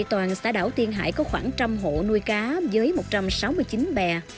toàn xã đảo tiên hải có khoảng trăm hộ nuôi cá với một trăm sáu mươi chín bè